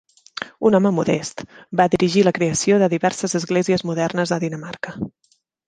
Un home modest, va dirigir la creació de diverses esglésies modernes en Dinamarca.